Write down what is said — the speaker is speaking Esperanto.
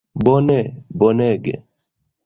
Bone, bonege!